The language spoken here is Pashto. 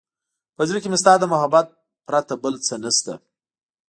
په زړه کې مې ستا د محبت پرته بل څه نشته.